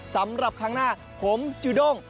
สำหรับครั้งหน้าผมจูด้ง